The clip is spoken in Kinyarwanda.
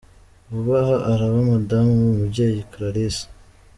Vuba aha, araba Madamu Umubyeyi Clarisse.